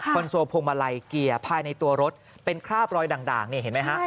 โซลพวงมาลัยเกียร์ภายในตัวรถเป็นคราบรอยด่างนี่เห็นไหมฮะ